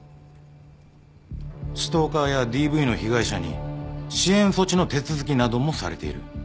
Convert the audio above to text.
ストーカーやＤＶの被害者に支援措置の手続きなどもされている。